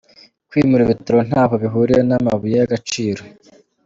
Kwimura ibitaro ntaho bihuriye n’amabuye y’agaciro ….